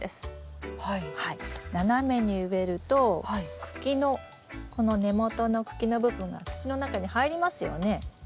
斜めに植えると茎のこの根元の茎の部分が土の中に入りますよね。